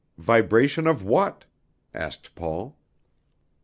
"Vibration of what?" asked Paul.